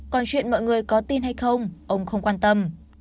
còn chuyện mọi người có tin hay không ông không quan tâm